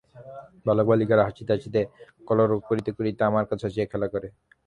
বালকবালিকারা হাসিতে হাসিতে কলরব করিতে করিতে আমার কাছে আসিয়া খেলা করে।